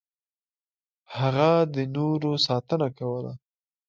هغه د نورو ساتنه کوله.